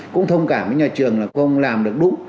cũng thông cảm với nhà trường là không làm được đúng